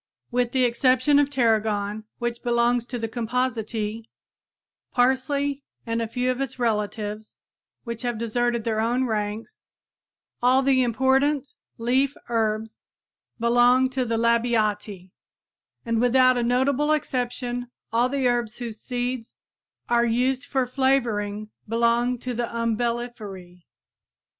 With the exception of tarragon, which belongs to the Compositæ, parsley and a few of its relatives which have deserted their own ranks, all the important leaf herbs belong to the Labiatæ; and without a notable exception all the herbs whose seeds are used for flavoring belong to the Umbelliferæ.